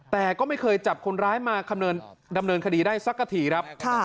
แต่ก็ไม่เคยจับคนร้ายมาดำเนินคดีได้สักทีครับ